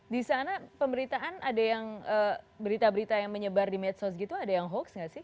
di sana pemberitaan ada yang berita berita yang menyebar di medsos gitu ada yang hoax nggak sih